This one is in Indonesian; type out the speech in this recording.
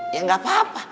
ya enggak apa apa